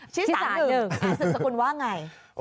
ชีสานหนึ่งสืบสกุลว่าอย่างไร